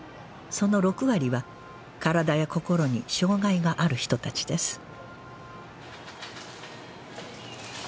その６割は体や心に障害がある人たちです